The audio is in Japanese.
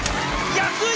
安い！